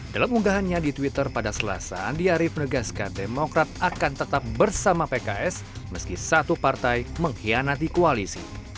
dalam unggahannya di twitter pada selasa andi arief menegaskan demokrat akan tetap bersama pks meski satu partai mengkhianati koalisi